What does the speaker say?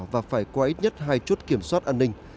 và phải có ít nhất hai chốt kiểm soát an ninh